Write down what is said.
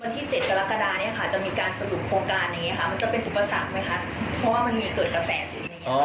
มันจะเป็นอุปสรรคไหมคะเพราะว่ามันมีเกิดกระแสอยู่ในนี้